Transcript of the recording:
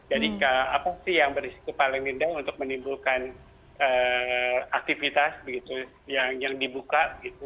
jadi apa sih yang berisiko paling rendah untuk menimbulkan aktivitas yang dibuka